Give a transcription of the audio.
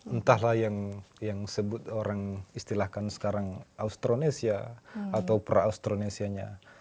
entahlah yang sebut orang istilahkan sekarang austronesia atau pra austronesianya